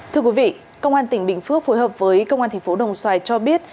thưa quý vị công an tỉnh bình phước phối hợp với công an thành phố đồng xoài cho biết